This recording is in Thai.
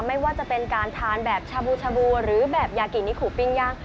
ไม่ว่าจะเป็นการทานแบบชาบูชาบูหรือแบบยากินิคูปิ้งย่าง